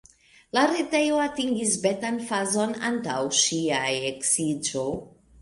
La retejo atingis beta-fazon antaŭ sia eksiĝo.